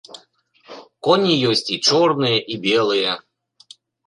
Коні ёсць і чорныя і белыя!